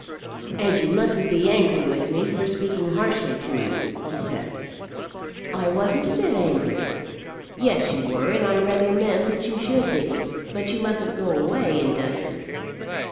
"And you mustn't be angry with me for speaking harshly to you," he said. "I wasn't a bit angry." "Yes, you were; and I rather meant that you should be. But you mustn't go away in dudgeon."